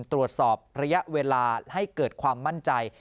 ตรวจสอบระยะเวลาให้เกิดความมั่นใจ